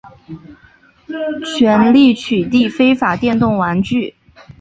全力取缔非法电动玩具